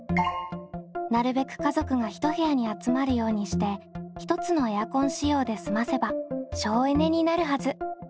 なるべく家族が一部屋に集まるようにして１つのエアコン使用で済ませば省エネになるはず。